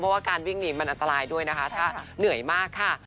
เพราะว่าการวิ่งหนีมันอันตรายด้วยนะคะถ้าเหนื่อยมากค่ะ